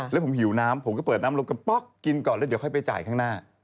แล้วผมหิวน้ำผมก็เปิดน้ำลงกระป๊อกกินก่อนแล้วเดี๋ยวค่อยไปจ่ายข้างหน้า